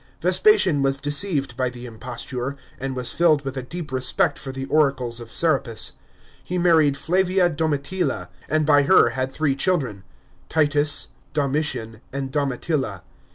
Vespasian was deceived by the imposture, and was filled with a deep respect for the oracles of Serapis. He married Flavia Domitilla, and by her had three children, Titus, Domitian, and Domitilla.